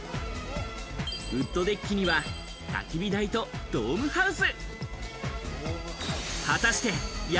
ウッドデッキにはたき火台とドームハウス。